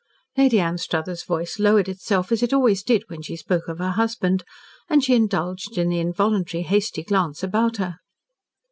Lady Anstruthers' voice lowered itself, as it always did when she spoke of her husband, and she indulged in the involuntary hasty glance about her.